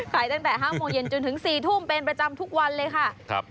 ตั้งแต่๕โมงเย็นจนถึง๔ทุ่มเป็นประจำทุกวันเลยค่ะ